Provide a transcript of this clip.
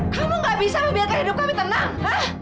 kamu gak bisa membiarkan hidup kami tenang